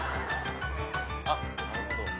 あっなるほど。